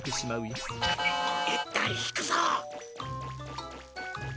いいったんひくぞ！